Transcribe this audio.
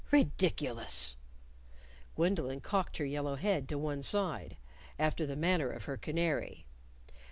_ Ridiculous!" Gwendolyn cocked her yellow head to one side after the manner of her canary.